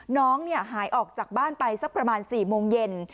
น้องหายออกจากบ้านไปสักประมาณ๔โมงเย็น